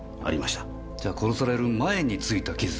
じゃ殺される前についた傷？